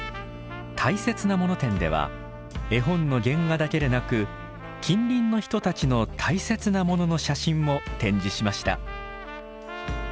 たいせつなもの展では絵本の原画だけでなく近隣の人たちのたいせつなものの写真も展示しました。